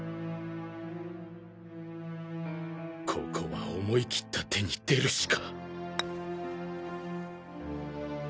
ここは思いきった手に出るしか！